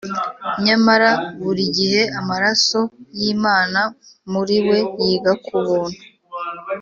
nyamara burigihe amaraso yimana muri we yiga kubuntu,